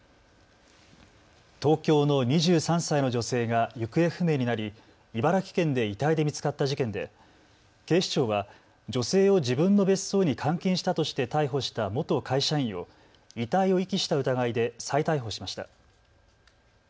東京の２３歳の女性が行方不明になり茨城県で遺体で見つかった事件で警視庁は女性を自分の別荘に監禁したとして逮捕した元会社員を遺体を遺棄した疑いで再逮捕しました。